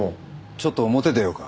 ちょっと表出ようか。